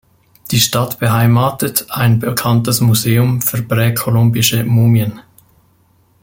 Die Stadt beheimatet ein bekanntes Museum für präkolumbische Mumien.